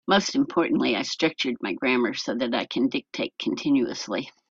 Most importantly, I structure my grammar so that I can dictate continuously.